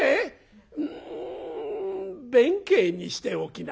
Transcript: うん弁慶にしておきな」。